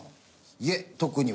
いえ特には。